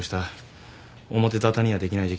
表沙汰にはできない事件。